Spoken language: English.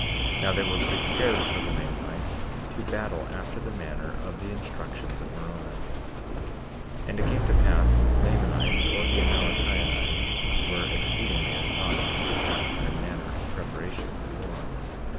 Now they were prepared for the Lamanites, to battle after the manner of the instructions of Moroni. 49:9 And it came to pass that the Lamanites, or the Amalickiahites, were exceedingly astonished at their manner of preparation for war.